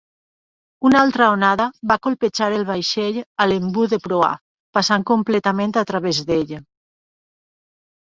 Una altra onada va colpejar el vaixell a l'embut de proa, passant completament a través d'ell.